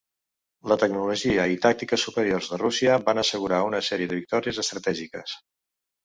La tecnologia i tàctiques superiors de Rússia van assegurar una sèrie de victòries estratègiques.